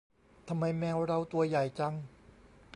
ทำไมแมวเราตัวใหญ่จัง